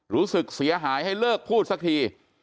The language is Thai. รู้สึกเสียหายให้เลิกพูดสักที